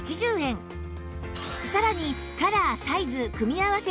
さらにカラー・サイズ組み合わせ